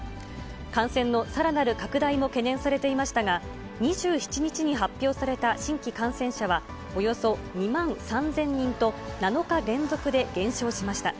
感染のさらなる拡大も懸念されていましたが、２７日に発表された新規感染者は、およそ２万３０００人と、７日連続で減少しました。